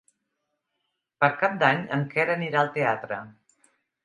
Per Cap d'Any en Quer anirà al teatre.